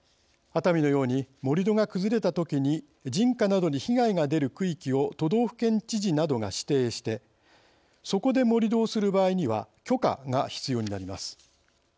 熱海のように盛り土が崩れたときに人家などに被害が出る区域を都道府県知事などが指定してそこで盛り土をする場合には許可が必要になります。